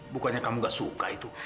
bukannya kamu gak suka itu